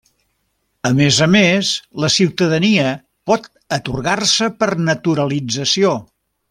A més a més, la ciutadania pot atorgar-se per naturalització.